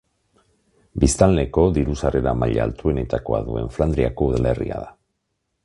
Biztanleko diru sarrera maila altuenetakoa duen Flandriako udalerria da.